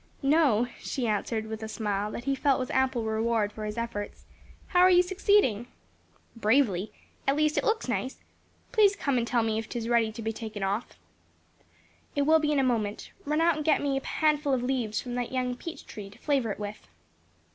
"No," she answered with a smile that he felt was ample reward for his efforts, "how are you succeeding?" "Bravely; at least it looks nice. Please come and tell me if 'tis ready to be taken off." "It will be in a moment. Run out and get me a handful of leaves from that young peach tree, to flavor it with."